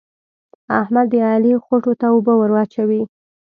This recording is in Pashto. احمد د علي خوټو ته اوبه ور اچوي.